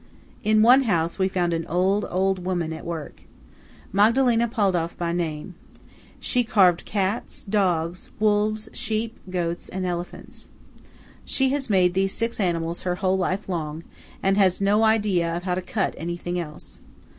In one house we found an old, old woman at work, Magdalena Paldauf by name. She carved cats, dogs, wolves, sheep, goats, and elephants. She has made these six animals her whole life long, and has no idea of how to cut anything else.